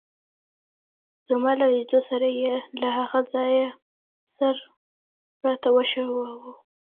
زما له لیدو سره يې له هغه ځایه سر راته وښوراوه.